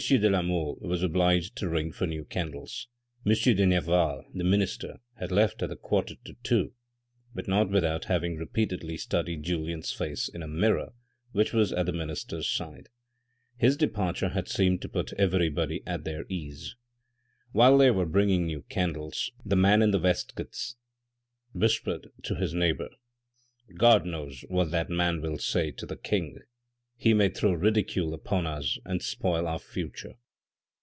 de la Mole was obliged to ring for new candles. M. de Nerval, the minister, had left at the quarter to two, but not without having repeatedly studied Julien's face in a mirror which was at the minister's side. His departure had seemed to put everybody at their ease. While they were bringing new candles, the man in the waistcoats, whispered to his neighbour :" God knows what that man will say to the king. He may throw ridicule upon us and spoil our future."